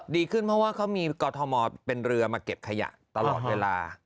ดีขึ้นเพราะว่าเขามีกอทมเป็นเรือมาเก็บขยะตลอดเวลา